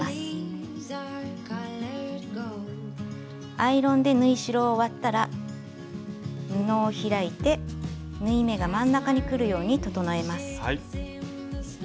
アイロンで縫い代を割ったら布を開いて縫い目が真ん中にくるように整えます。